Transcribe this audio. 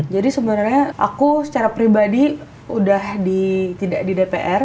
jadi sebenernya aku secara pribadi udah di tidak di dpr